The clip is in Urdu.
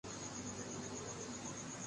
عہد کے تناظر میں دیکھنا ضروری ہے